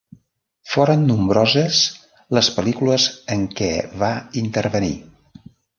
Foren nombroses les pel·lícules en què va intervenir.